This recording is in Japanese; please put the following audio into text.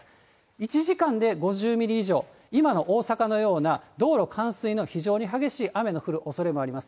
１時間で５０ミリ以上、今の大阪のような、道路冠水の非常に激しい雨の降るおそれもあります。